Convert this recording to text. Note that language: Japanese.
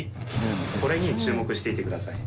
これに注目していてください。